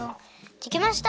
できました。